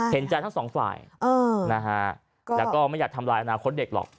เห็นใจทั้งสองฝ่ายนะฮะแล้วก็ไม่อยากทำลายอนาคตเด็กหรอก